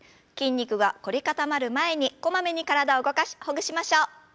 筋肉が凝り固まる前にこまめに体を動かしほぐしましょう。